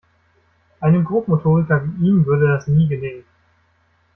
Einem Grobmotoriker wie ihm würde das nie gelingen.